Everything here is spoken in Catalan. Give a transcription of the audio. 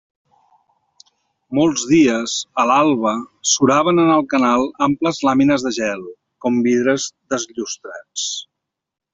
Molts dies, a l'alba, suraven en el canal amples làmines de gel, com vidres desllustrats.